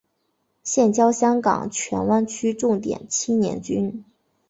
现教香港荃湾区重点青年军。